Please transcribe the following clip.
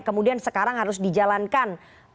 kemudian sekarang harus dijalankan